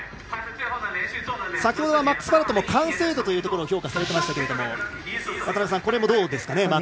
先ほどはマックス・パロットも完成度というところを評価されていましたけども渡辺さん、どうですかね。